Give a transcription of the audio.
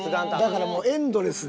だからもうエンドレスで。